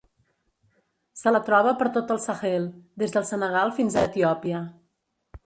Se la troba per tot el Sahel des del Senegal fins a Etiòpia.